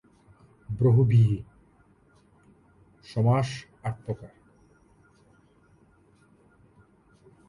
বহুব্রীহি সমাস আট প্রকার।